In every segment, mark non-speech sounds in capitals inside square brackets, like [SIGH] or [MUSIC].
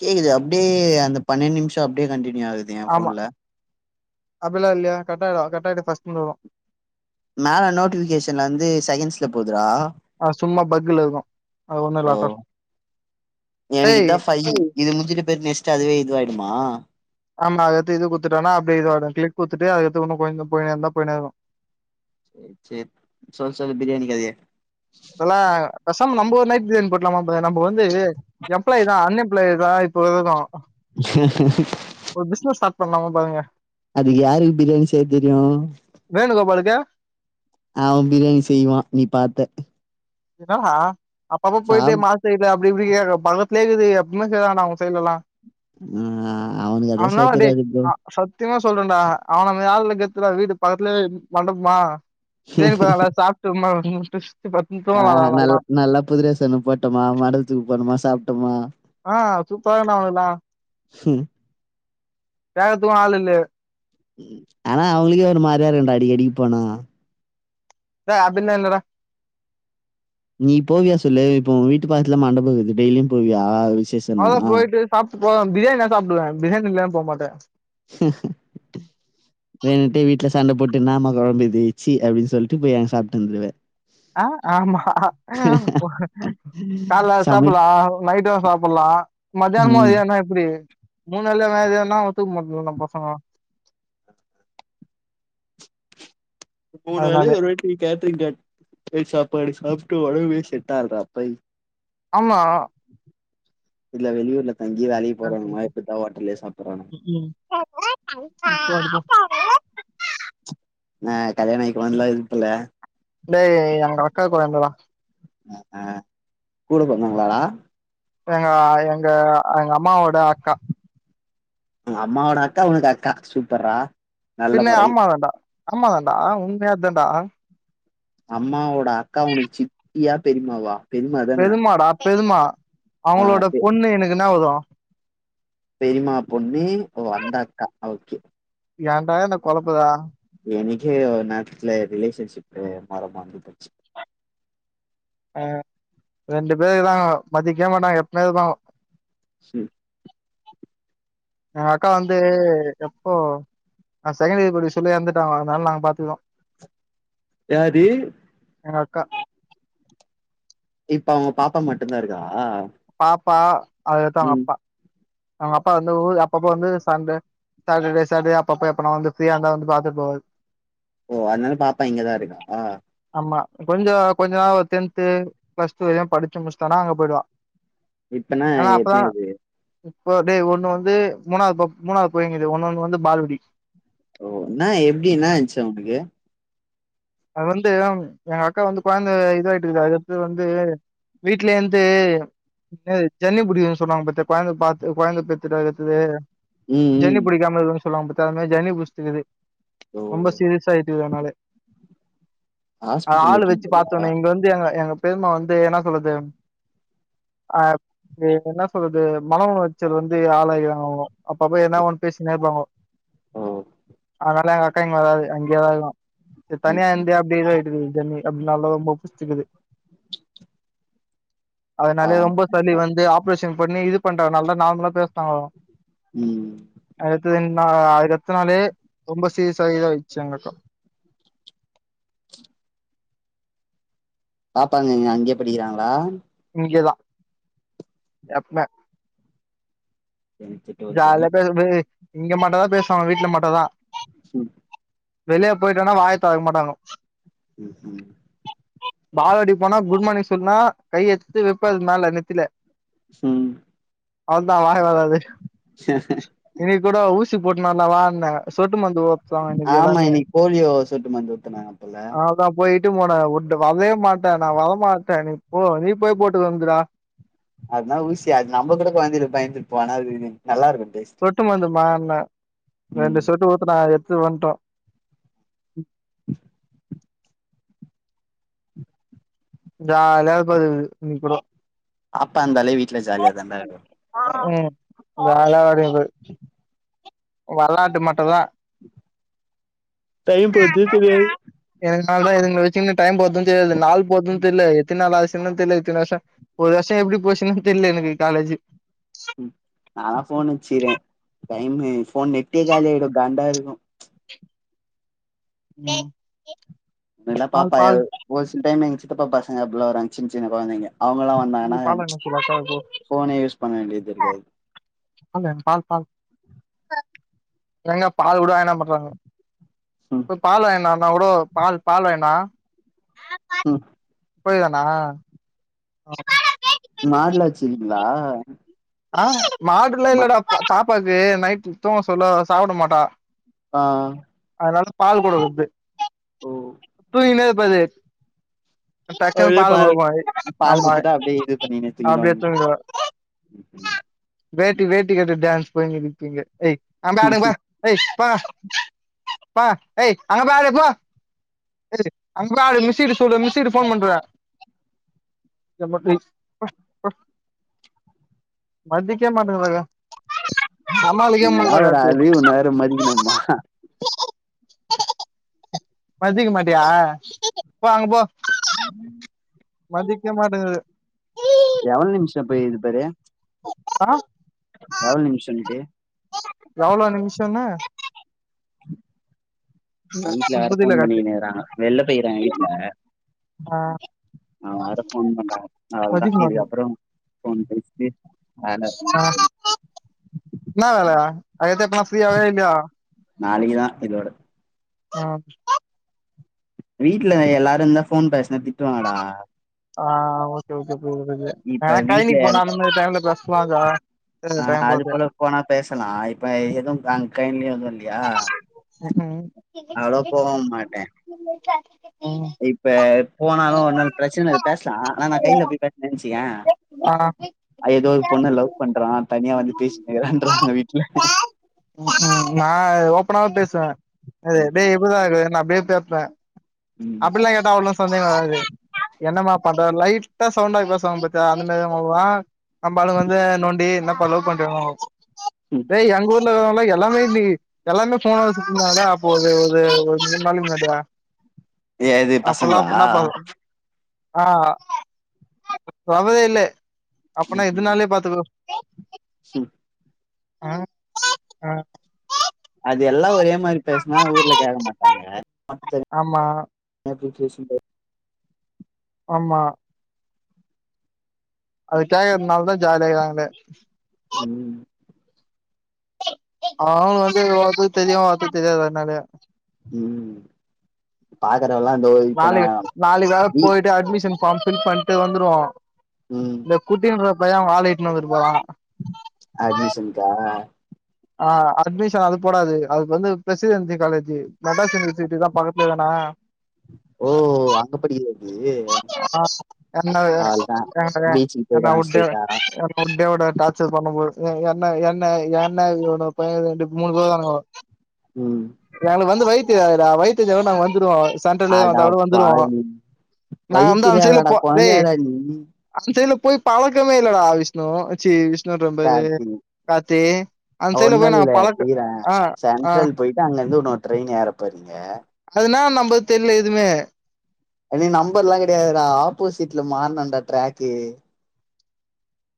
கேக்குது அப்டியே அந்த பன்னெண்டு நிமிஷ அப்டியே கன்டினியூ ஆகுது எ ஃபோன்ல அப்பில்லா இல்லயே கட் ஆய்டு கட் ஆய்டு ஃபர்ஸ்ட்லந்து வரு மேல நோட்டிபிகேஷன்ல வந்து செகண்ட்ஸ்ல போதுரா அது சும்மா பக்குல இருக்கு அது ஒண்ணு ஓ இல்லாட்டொ எனக்கு இதா ஃபை இது முடிஞ்சுட்டு பெரு நெக்ஸ்ட் அதுவே இது ஆயிடுமா ஆமா அது வந்து இது குத்துட்டோனா அப்டியே இதுவாகு கிளிக் குடுத்துட்டு அது எத்து ஒன்னு கொஞ்ச போய்னே இருந்தா போய்னே இருக்கு சே சே சொல் சொல் பிரியாணி கதைய மிட் நைட் பிரியாணி போட்ருலாமா ப்ரோ நம்ப வந்து எம்ப்ளாய் தா அன்எம்ப்ளாய் தா இப்ப வரைக்கு ஒரு பிசினஸ் ஸ்டார்ட் பண்லாமா பாருங்க அதுக்கு யாருக்கு பிரியாணி செய்ய தெரியு வேணுகோபாலுக்கு அவ பிரியாணி செய்வா நீ பாத்த என்னடா அப்ப அப்ப போய் சாப் போய் மாஸ்டர்கிட்ட ட்ரிப்லிகேன்கு பக்கத்துலயே இருக்குது எப்பவுமே செய்வாங்க அவங்க சைட்லலா ஆ அவனுக்கு அதெல்லா செய்ய அவனால டேய் தெரியாது ப்ரோ அ சத்தியமா சொல்றேண்டா அவனுங்களுக்காகள கெ சுலா வீடு பக்கத்துலயே மண்டபமா டெய்லி போய் நல்லா சாப்ட்டு ம முடுச்ட்டு சுத்திபாத் ஆ நல் நல்லா புது டிரஸ் ஒன்னு போட்டோமா மண்டபத்துக்கு போணமா சாப்ட்டோமா ஆ சூப்பரானா அங்கல்லா கேக்கதுக்கு ஆள் இல்ல ஆனா அவங்களுக்கே ஒரு மாரியா இருக்குண்டா அடிக்கடிக்கு போனா ச அப்டின்லா இல்லடா நீ போவியா சொல்லு இப்போ உ வீட்டு பக்கத்துல மண்டப இருக்குது டெய்லியு போவியா விசேஷம்னா? அவ்ளதா போயிட்டு சாப்ட்டு போவே பிரியாணினா சாப்டுவே பிரியாணி இல்லனா போ மாட்டே வேனுன்ட்டே வீட்டுல சண்ட போட்டு என்னாமா கொழம்பு இது ச்சி அப்டின்னு சொல்லிட்டு போய் அங்க சாப்ட்டு வந்துடுவே ஆ ஆமா கால்ல அது சமைக் சாப்புட்லா நைட்டு சாப்புட்லா அ மத்தியானமு ம். அதேனா எப்டி மூணு வேலயுமே இதேனா [UNINTELLIGIBLE] பசங்க மூணு வேலயு அதனாலே ஒரு வாட்டி கேட்ரிங் கேட் போய் சாப்பாடு சாப் டு ஒடம்பே செட் ஆகதுறா பொய் ஆமா இல்ல வெளியூர்ல தங்கி வேலைக்கு போறவங்களா இப்பிட்தா ஹோட்டல்லயே சாப்புறாங்க ம் என்னா கல்யாண ஆயி கொழந்தலா இருக்குல டேய் அவங்க அக்கா கொழந்தடா அ ஆ கூட பொறந்தவங்களாட எங்க எங்க எங்க அம்மாவோட அக்கா உங்கம்மாவோட அக்கா உனக்கு அக்கா சூப்பர்ரா இல்ல அம்மா தாண்டா அம்மா தாண்டா ஆ உண்மையாதண்டா அம்மாவோட அக்கா ஒனக்கு சித்தியா பெரிம்மாவா பெரிம்மா தான பெரிம்மா ஆ அவங்களோட பெ பொண்ணு எனக்கு என்னா வேனு பெரிம்மா பொண்ணு வந்தாக்கா ஓகே ஏண்டா என்ன கொலப்புர எனக்கே நேரத்துல ரிலேஷன்ஷிப்பு மரமா வந்து போச்சு அ ரெண்டு பேரு இருக்குறாங்கோ மதிக்கவே மாட்டாங்க எப்பமே இருப்பாங்க செரி ஏன் அக்கா வந்து எப்போ நா செகண்ட் இயர் படிக்க சொல்ல எறந்துட்டாங்க அதுனால நாங்க பாத்துக்குறோ யாரி எங்கக்கா இப்ப அவுங்க பாப்பா மட்டு்தா இருக்காலா பாப்பா அதுகடுத்து அவுங்கப்பா அவுங்கப்பா வந்து ஊருக்கு அப்பப்ப வந்து சண்ட சாட்டர்டே சாட்டர்டே அப்பப்ப எப்பனா வந்து ப்ஃரீயா இருந்தா வந்து பாத்துட்டு போவாரு ஓ அதுனால பாப்பா இங்கதா இருக்கா ஆமா கொஞ்ச கொஞ்ச நாள் ஒரு டென்து பிளஸ் டூ எதுனா படிச்சு முடிச்ட்டானா அங்க போயிடுவ இப்பனா எத்தி அது இப்ப வந்து ஒண்ணு வந்து மூணாவது போ மூணாவது போயுங்குது ஒன்னு ஒன்னு வந்து பால்வடி ஓ என்னா எப்டி என்னாச்சு ஒனக்கு அது வந்து எங்க அக்கா வந்து கொழந்த இதாயிட்டுருக்கு அது வந்து வீட்லயேந்து சென்னி புடிக்குதுன்னு சொன்னாங்க பாத்தியா கொழந்த பாத்து கொழந்த பெத்துட்டு இருது ம் ம் ஜன்னி புடிக்காமா இருக்கனும்னு சொல்லுவாங்க பத்தியா அது மாரி ஜன்னி புடிச்சுக்குது ஓ ரொம்ப சீரியஸா ஆயிட்டு அதுனாலயே அ ஆளு ஹாஸ்பிட்டல் வச்சு போலியா பாத்தோனே இங்க வந்து எங்க எங்க பெரிம்மா வந்து என்னா சொல்லுது ஆ எனனா சொல்றது மணவுளைச்சல் வந்து ஆளாக்கிறாங்க அவுங்கோ அப்பப்ப எதுனா ஒண்ணு பேசினே இருப்பாங்க ஓ அதுனால எங்கக் கா இங்க வராது அங்கயே தா இருக்கு ம் தனியா ம். இருந்து அப்படியே போயிடுது ஜன்னி அப்டின்னால ரொம்ப புடிச்சுக்குது அதுனாலயே அவன் ரொம்ப சளி வந்து ஆப்ரேஷன் பண்ணி இது பண்றாங்க நாலதா நார்மலா பேசுறாங்க ம் அதுன் அ அதுகடுத்த நாலே ரொம்ப சீரியஸாயி இதாயிச்சு எங்கக்க பாப்பா எங்க அங்கயே படிக்கிறாங்களா இங்கதா எப்ப எனக்கு டுவெல் ஜாலியா தெரியும் பேச [UNINTELLIGIBLE] இங்க மட்டுதா பேசுவாங்க வீட்ல மட்டுதா ம் வெளிய போயிட்டேனா வாய தொறக்க மாட்டாங்க ம் ம் பால்வாடி போனா குட் மார்னிங் சொன்னா கை எடுத்து வைப்பாது மேல நெத்தில ம் அதா வாய் வராது சே சரி இன்னைக்கு கூட ஊசி போட்டுனுவல்லா வான்னே சொட்டு மருந்து ஊ ஆமா இன்னைக்கு போலியோ சொட்டுமருந்து ஊத்துனாங்க போல விட்டு போன ஓன்ட வரவே மாட்டே நான் வரமாட்டே நீ போ நீ போய் போட்டுட்டுகோங்குறா அதுனா ஊசி அது நம்ம கூட கொழந்தைல பயந்துருப்போ ஆனா அது நல்லாருக்கு சொட்டு மருந்து மான ரெண்டு ம் சொட்டு ஊத்துனா த்து வண்டா ஜாலியா வரபோதது இன்னிக்குடோ ஆத்தா இந்தாலே வீட்ல ஜாலியா தான்டா இருக்கு உம் வேல வருது வெளாட்டு மட்டுந்தா டைம் போர்தே தெரியாது இதனால இதுங்குல வச்சிகன்னு டைம் போற்து தெரியாது நாள் போற்து தெர்ல எத்தின் நாள் ஆச்சின்னும் தெரில ஒரு வஷோ எப்டி போச்சுன்னு தெர்ல எனக்கு காலேஜ்ஜி ம் நாளா ஃபோன் வச்சிரே டைமு ஃபோன் நெட்டே காலியாயிடு காண்டா இருக் ம் ம் ல்லா பாப்பா ஒரு சில டைம் எங் சித்தப்பா பசங்க அப்புலா வருவாங்க சின் சின் கொழந்தைங்க அவங்கல்லா ஐயோ வந்தாங்கன்னா பால் வாங்கினு வர சொல்லு ஃபோனே யூஸ் பண்ண வேண்டியத் இருக்காது மே பால் பால் எங்க பால்கூட வாங்கினுவர் பண்றாங்க ம் போய் பால் வாங்கிவான்னா கூடோ பால் பால் வாய்ன்னுவா ம் போய்டுவானா மாட்ல்லா வச்சிருஙிங்களா ஆஹ் மாடுல்லா இல்லடா பாப்பாக்கு நைட் தூங்க சொல்லோ சாப்ட மாட்டா ஆஹ் அதனால பால் குடுக்குற்து ஓ த்தினேபது டக்குன்னு பால் குடுப்போ பால் ஆமா குடுத்துட்டா அப்டியே இது பண்ணினே அப்டியே தூங்கிடுவாங்க தூங்கிடுவா [UNINTELLIGIBLE] வேட்டி வேட்டி கட்டு டான்ஸ் போய்னு இருக்கிங்க போ எய் அங்க போய் ஆடு போ ஏய் அங் போய் ஆடு மிஸிகிட்ட சொல்லு மிஸிகிட்ட ஃபோன் பண்றுவ [UNINTELLIGIBLE] மதிக்க மாட்டுங்குதுங நீளா ஒரு ஆலு ஒன்ன வேர மதிகனும்மா மதிக்க மாட்டியா போ அங்க போ உம் மதிக்க மாட்டேங்குது எவள் நிமிஷோ போய்கிது பாரு ஆ எவ்ள் நிம்ஷன்ட்டு எவளோ நிம்ஷன்னா வீட்ல வேற புரியல ஃபோன் கார்த்தி பண்ணிகினேகிறாங்க வெள்ல போய்கிறாங்க வீட்ல ஆஹ் அவுங்க வேற ஃபோன் பண்றாங்க அவுள்தா மாட்டேங்குது இதுக்கப்பறம் ஃபோன் பேசிட்டு வேல வீட்ல ன்னா வேல அதுக் அடுத்து எப்பனா ஃபீரியாவய இல்லயா நளைக்குதா இதோட ஆம் வீட்ல எல்லாரு இந்தா ஃபோன் பேசுனா திட்டுவாங்கடா ஆஹ் ஓகே ஓகே புரிது புரிது இப்ப ஆஹ் கைய்னிக் போனா அந்த மாரி டைம்ல பேசுவாங்க ஆஹ் அது போல போனா பேசலா இப்ப எதும் காணோ கயினிலு எது ல்லயா ம்ஹூம் அவ்ளோவா போக மாட்டே [UNINTELLIGIBLE] இப்ப போனாலு ஒன்னுல் பிரச்சனல் பேஸ்லா ஆனா நா கைல போய் பேஸ்னன் வச்சிகே ம் ஏதோ ஒரு பொண்ண லவ் பண்றா தனியா வந்து பேசினுகிறான்றாங்க வீட்ல உம் நா ஓப்பனாவே பேசுவ டேய் [UNINTELLIGIBLE] ம் அப்பில்லா கேட்டா அவ்ளோவ சந்தேக வராது என்னமா பண்ற லைட் த சவுண்டா பேசுவாங் பத்தியா அந்த மேரி [UNINTELLIGIBLE] நம்ப ஆளுங்க வந்து நோண்டி என்னபா லவ் பண்றியா டேய் எங்க ஊர்ல இருக்கவுங்க எல்லாமே இன்னிகி எல்லாமே ஃபோன வச்சிட்ருந்தாங்கடா அப்போ ஒரு ஒரு ஒரு மூன் நாளைக் முன்னாடி ஏ இது பசங்களா அப்பல்லாப் பன்னாப்பவு ஆ [UNINTELLIGIBLE] இல்லே அப்பனா எதுனாலே ம் பாத்துக்கர அ அ அது எல்லா ஒரேம் மாரி பேஸ்னா ஊர்ல கேக்க மாட்டாங்க ஆமா [UNINTELLIGIBLE] ஆமா அது கேக்கதனாலதா ஜாலியா இக்காங்ளே உம் [UNINTELLIGIBLE] உம் பாத் நாளைக்கு நாளைக்கு வேற போயிட்டு அட்மிஷன் ஃபார்ம் பில் பண்ட்டு வந்துருவோ ம் இந்த குட்டின்ற பைய அவுங்க ஆள இட்டுனு வந்துட்டு போறா அட்மிஷன் கா ஆ அட்மிஷன் அது போடாது அதுக்கு வந்து ப்ரெசிடென்சி காலேஜி மெட்ராஸ் யூனிவர்சிட்டி தா பக்கத்ல எதனா தியியே [UNINTELLIGIBLE] எ பீச்சுக்கு போயிடுவாங்க ஸ்ட்ரைட்டா என்ன என்ன என்ன ஒ பைய ரெண்டு மூனு [UNINTELLIGIBLE] ம் எங்களுக்கு வந்து வயி தெரியாதுடா வயி தெஞ்சா கூட நாங்க வந்துருவோ சென்ட்ரலு அட வந்தா கூட வந்துருவோ பாவி நா வழி வந்து அன்சைல தெரியாதடா போ டேய் கொழந்தையாடா நீ அன்சைலப் போய் பழக்கமே இல்லடா விஷ்ணு சி விஷ்ணுன்ற பாரு கார்த்தி காத்தி ஒன்னு இல்ல ஈற ஆ சென்ட்ரல் போயிட்டு அங்கந்து இன்னோ ட்ரெயின் ஏரப்பாறி அதுனா நம்பத் தெர்ல எதுமே இனி நம்பர்லா கெடையாதுடா ஆப்போசிட்ல மார்னுன்டா டிராக்கு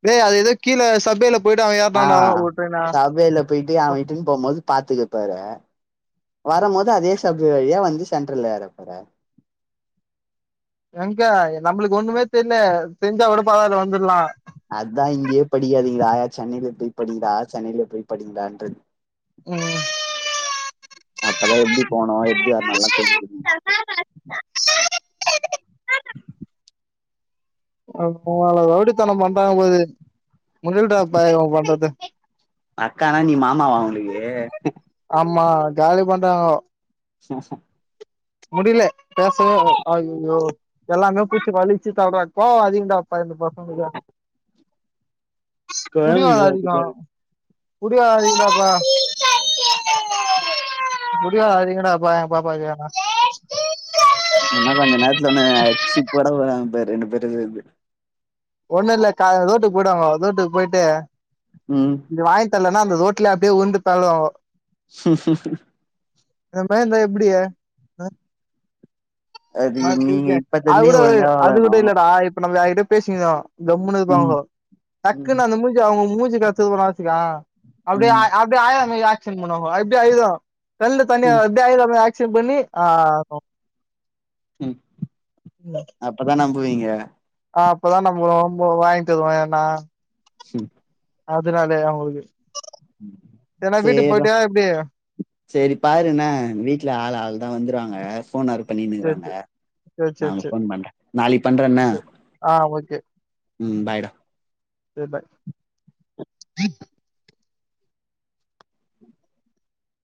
டேய் அது ஏதோ கீழ சப்பேலப் ஆ சப்பேல போயிட்டு அவ இட்டுன்னு போம்போது பாத்துக பேறே வரம்போது அதே சப்வே வழியா வந்து சென்ட்ரல்ல ஏறப்போற எங்க நம்மளுக்கு ஒன்னுமே தெர்ல தெரிஞ்சா விடுப்பாதல வந்துர்லா அதா இங்கியே படிக்காதீங்கடா சென்னைல போய் படிங்டா சென்னைல போய் படிங்கான்ற உம் அப்பதா எப்டி போனோ எப்டி வந்தன்லா தெரிஞ்சி [UNINTELLIGIBLE] [UNINTELLIGIBLE] ரவுடித்தன பண்றாங்க போது முடில்ட்ராப்பாய இவ பண்றது அக்கானா நீ மாமாவா அவுங்ளுக்கு அம்மா காலி பண்றாங்கோ முடில பேசோ அய்யையோ எல்லாமே பூச்சி வலிச்சித் தள்றாங் போவாதிங் கோ ப ரெண்டு பசங்ளுகு புடிவாத கொழந்தைங்களா அதிகோ அப்டிதா இருக்கு [UNINTELLIGIBLE] புடிவாத அதிகடாபா எங் பாப்பாக்கு வேணா ஒன்னா கொஞ்ச நேரத்துல ஒன்ன அச்சி போட போறாங்க பாரு ரெண்டு பேரு சேந்து ஒன்னுல்ல கா ரோட்டுக் பொய்டுவாங்கோ தோட்டுக் பொய்ட்டு ம் தெர்லன்னா அந்த தோட்லே அப்டே ஊந்து பெர்லுவாங்கோ ஹும் ஹூம் ஹூம் இத மே இந்தா எப்டிய அது நீங்க மாத்தீக்கே இப்பத்துலருந்தே அவுட ஒழுங்கா அது வளக்கணு கூட இல்லடா இப் இப்நம்ப வேர்கிட்ட பேசினியோ கம்முன்னு ம் இர்ப்பாங்கோ ம் டக்குன் அந்த மூஞ்ச அவுங்க மூஞ்சிகத் தூமனா வச்சுக்யா அப்டே ம் ஆய் அப்டே ஆயா மேரி ஆக்க்ஷன் பன்வாங்கோ அப்டி அய்து கண்ல தண்ணி ம் வரு அப்டே அய்ர மரி ஆக்க்ஷன் பண்ணி ஆ ம் அப்பதா நம்புவீங்க அ அப்பதா நம்புரொ [UNINTELLIGIBLE] வாய்ன்டருவோ ஏனா ஹும் அதுனாலே அவுங்குளுக்கு சேர்ரா எப்டி சேரி பாருன வீட்ல ஆளா அல்தா வந்துறுவாங்க போனாரு சேரி பண்ணினுகுகாங்க சேரி சேரி நா சேரி உனக் சேரி ஃபோன் பண்ற நாளிக் பண்றன்ன சேரி ஆ ம் பாய்டா தேர் பாய்